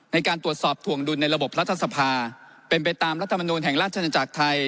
ในการตรวจสอบถวงดุลในระบบรัฐสภาเป็นไปตามรัฐมนูลแห่งราชนาจักรไทย